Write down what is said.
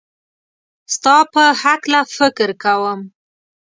ستا په هکله فکر کوم